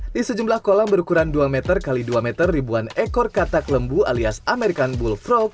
di sejumlah kolam berukuran dua meter x dua meter ribuan ekor katak lembu alias american bull frog